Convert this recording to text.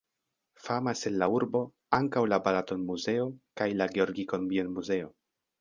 Famas en la urbo ankaŭ la Balaton-muzeo kaj la Georgikon-bienmuzeo.